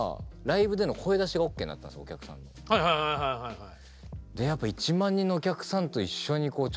はいはいはいはいはい。